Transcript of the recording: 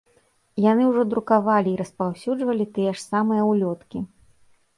Яны ўжо друкавалі і распаўсюджвалі тыя ж самыя ўлёткі.